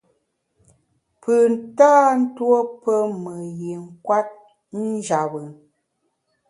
Pùn tâ ntuo pe me yin kwet njap bùn.